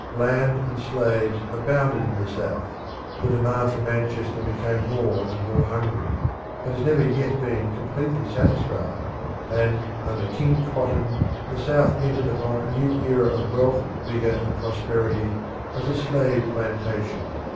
Land and slaves abounded in the South; the demand from Manchester became more and more hungry it has never yet been completely satisfied and, under King Cotton, the South entered upon a new era of wealth, vigour, and prosperity as a slave plantation.